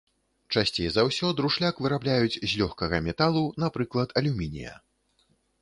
Часцей за ўсё друшляк вырабляюць з лёгкага металу, напрыклад, алюмінія.